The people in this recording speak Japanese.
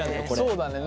そうだね。